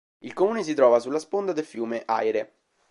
Il comune si trova sulla sponda del fiume Aire.